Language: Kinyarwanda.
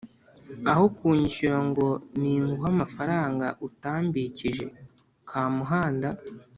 aho kunyishyura ngo ninguhe amafaranga utambikije?” Kamuhanda